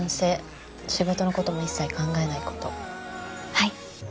はい。